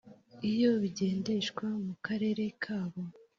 iyo bigendeshwa mu karere kabo